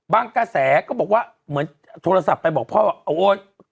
กระแสก็บอกว่าเหมือนโทรศัพท์ไปบอกพ่อว่าโอ๊ย